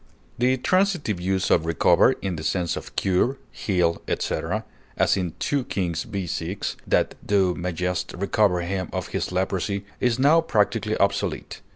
The transitive use of recover in the sense of cure, heal, etc., as in 2 Kings v, 6, "That thou mayest recover him of his leprosy," is now practically obsolete.